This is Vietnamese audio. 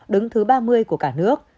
đứng thứ ba mươi của cả nước